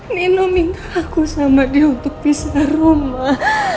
nino minta aku sama dia untuk pisah rumah